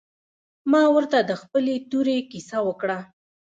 ما ورته د خپلې تورې کيسه وکړه.